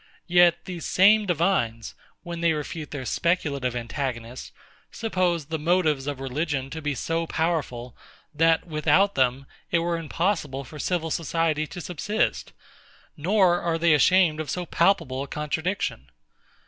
Yet these same divines, when they refute their speculative antagonists, suppose the motives of religion to be so powerful, that, without them, it were impossible for civil society to subsist; nor are they ashamed of so palpable a contradiction.